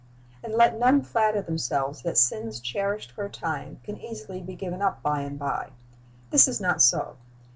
And let none flatter themselves that sins cherished for a time can easily be given up by and by. This is not so.